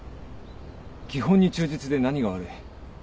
基本に忠実で何が悪い。